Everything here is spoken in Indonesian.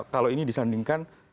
kalau ini disandingkan